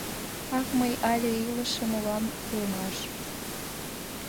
— Ах, мый але илыше улам улмаш!